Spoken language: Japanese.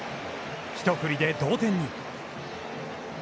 一振りで同点に。